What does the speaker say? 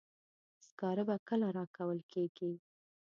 سکاره به کله راکول کیږي.